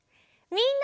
みんな！